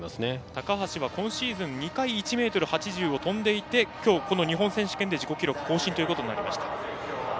高橋は今シーズン２回、１ｍ８０を跳んでいてきょう、この日本選手権で自己記録更新となりました。